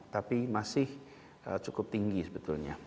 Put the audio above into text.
tapi masih cukup tinggi sebetulnya